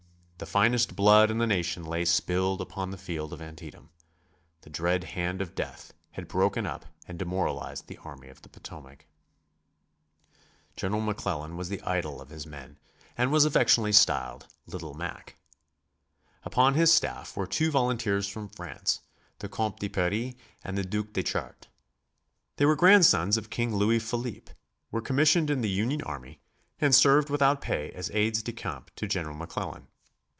The finest blood in the nation lay spilled upon the field of Antietam; the dread hand of death had broken up and demoralized the Army of the Potomac. General McClellan was the idol of his men and was affectionately styled "Little Mac." Upon his staff were two volunteers from France, the Compte de Paris and the Duc de Chartres. They were grandsons of King Louis Philippe, were commissioned in the Union army and served without pay as aides de camp to General McClellan.